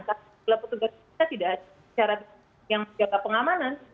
karena petugas kita tidak ada syarat yang menjaga pengamanan